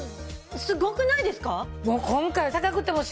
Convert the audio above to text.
すごくないですか？